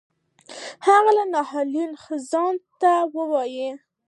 هغه له ناهیلۍ ځان ته وایی ویده شه